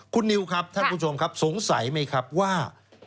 คุณนิวครับท่านผู้ชมครับสงสัยไหมครับว่า